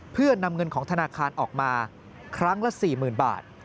เพื่อนำเงินของธนาคารออกมาครั้งละ๔๐๐๐บาท